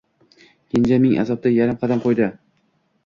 Kenja ming azobda yarim qadam qo‘ydi.